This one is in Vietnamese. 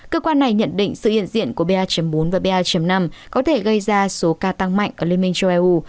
cơ quan này nhận định sự hiện diện của ba bốn và ba năm có thể gây ra số ca tăng mạnh ở liên minh châu âu